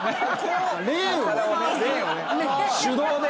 手動で。